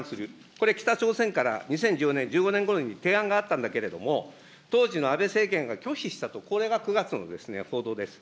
これ、北朝鮮から２０１４年、１５年ごろに提案があったんだけれども、当時の安倍政権が拒否したと、これが９月の報道です。